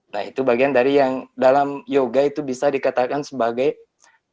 nah itu bagian dari yang dalam yoga itu bisa dikatakan sebagai